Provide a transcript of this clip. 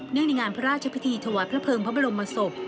เนื่องในงานพระราชพิธีธวะพระเพิงพระบรมมศพ